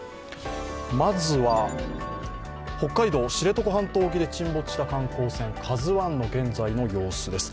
まずは北海道・知床半島沖で沈没した観光船、「ＫＡＺＵⅠ」の現在の様子です。